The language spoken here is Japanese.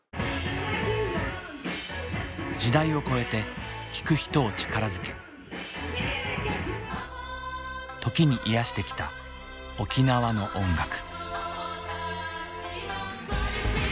時代を超えて聴く人を力づけ時に癒やしてきた沖縄の音楽。